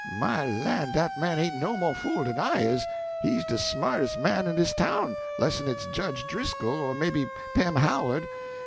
My lan', dat man ain't no mo' fool den I is! He's de smartes' man in dis town, less'n it's Jedge Driscoll or maybe Pem Howard.